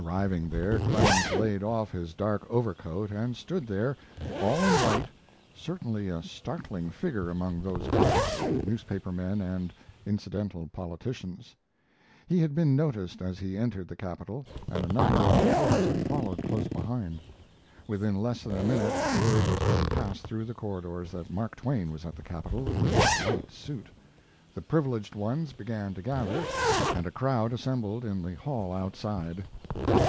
Arriving there, Clemens laid off his dark overcoat and stood there, all in white, certainly a startling figure among those clerks, newspaper men, and incidental politicians. He had been noticed as he entered the Capitol, and a number of reporters had followed close behind. Within less than a minute word was being passed through the corridors that Mark Twain was at the Capitol in his white suit. The privileged ones began to gather, and a crowd assembled in the hall outside.